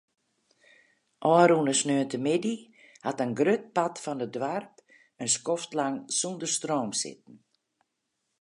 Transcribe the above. Ofrûne sneontemiddei hat in grut part fan it doarp in skoftlang sûnder stroom sitten.